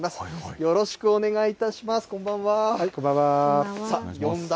よろしくお願いします。